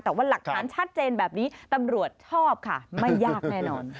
แต่ว่าหลักฐานชัดเจนแบบนี้ตำรวจชอบค่ะไม่ยากแน่นอน